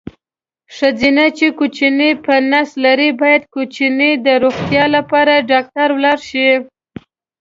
ښځېنه چې کوچینی په نس لري باید کوچیني د روغتیا لپاره ډاکټر ولاړ شي.